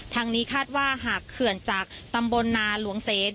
ทางนี้คาดว่าหากเขื่อนจากตำบลนาหลวงเซน